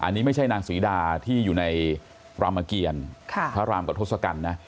อันนี้ไม่ใช่นางศรีดาที่อยู่ในรามเกียรพระรามกับทศกัณฐ์นะ